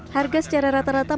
harga secara rata rata